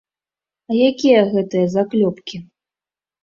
А якія гэтыя заклёпкі?